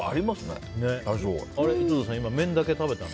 井戸田さん、麺だけ食べたの？